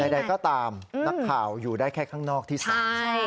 ใดก็ตามนักข่าวอยู่ได้แค่ข้างนอกที่ศาล